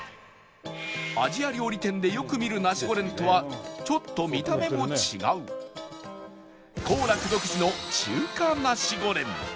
アジア料理店でよく見るナシゴレンとはちょっと見た目も違う幸楽独自の中華ナシゴレン